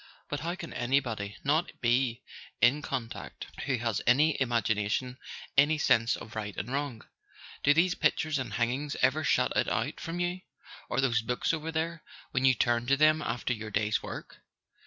But how can anybody not be in con¬ tact, who has any imagination, any sense of right and wrong ? Do these pictures and hangings ever shut it out from you—or those books over there, when you turn to them after your day's work?